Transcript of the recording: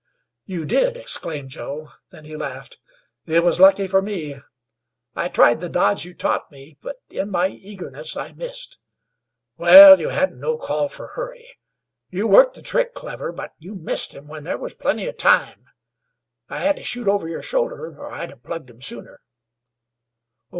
"You did!" exclaimed Joe. Then he laughed. "It was lucky for me. I tried the dodge you taught me, but in my eagerness I missed." "Wal, you hadn't no call fer hurry. You worked the trick clever, but you missed him when there was plenty of time. I had to shoot over your shoulder, or I'd hev plugged him sooner."